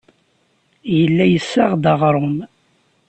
Yella yessaɣ-d aɣrum.